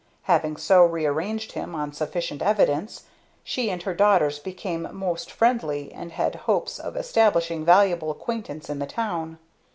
Having so rearranged him, on sufficient evidence, she and her daughters became most friendly, and had hopes of establishing valuable acquaintance in the town.